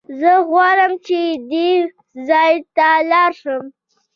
زه غواړم چې دې ځای ته لاړ شم.